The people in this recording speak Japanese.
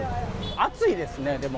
熱いですね、でも。